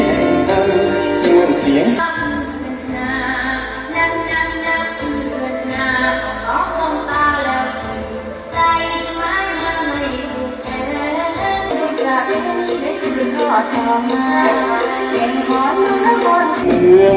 ก็ไม่ทราบแก่งแก่งทศขอช่วยอยู่น่า